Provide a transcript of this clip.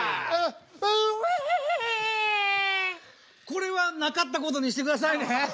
これはなかったことにしてくださいね。